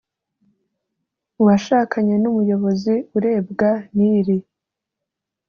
Uwashakanye n umuyobozi urebwa n iri